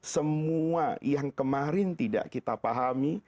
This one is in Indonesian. semua yang kemarin tidak kita pahami